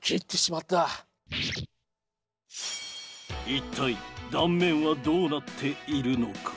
一体断面はどうなっているのか。